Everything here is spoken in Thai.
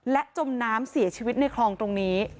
และจมน้ำเสียชีวิตในคลองตรงนี้